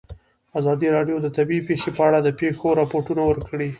ازادي راډیو د طبیعي پېښې په اړه د پېښو رپوټونه ورکړي.